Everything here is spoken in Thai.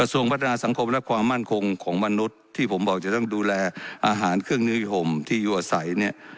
กระทรวงพัฒนาสังคมและความมั่นคงของมนุษย์ที่ผมบอกจะต้องดูแลอาหารเครื่องนื้อห่มที่ยั่วใส